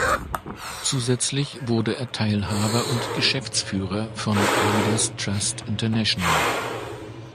Zusätzlich wurde er Teilhaber und Geschäftsführer von „Leaders Trust International“.